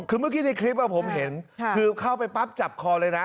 คือเมื่อกี้ในคลิปผมเห็นคือเข้าไปปั๊บจับคอเลยนะ